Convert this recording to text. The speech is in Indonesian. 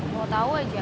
mau tau aja